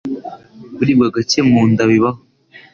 Kuribwa gake mu nda bibaho